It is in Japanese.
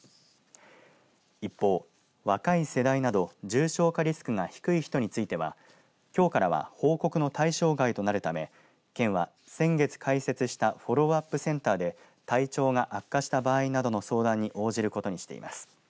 一方、若い世代など重症化リスクが低い人についてはきょうからは報告の対象外となるため県は、先月開設したフォローアップセンターで体調が悪化した場合などの相談に応じることにしています。